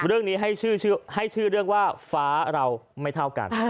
เรื่องนี้ให้ชื่อเรื่องว่าฟ้าเราไม่เท่ากัน